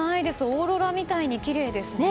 オーロラみたいにきれいですね。